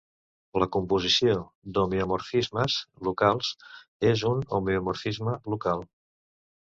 La composició d'homeomorfismes locals és un homeomorfisme local.